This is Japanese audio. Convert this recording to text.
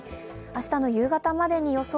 明日の夕方までに予想